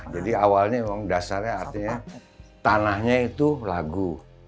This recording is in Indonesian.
jadi awalnya memang dasarnya artinya tanahnya itu lagu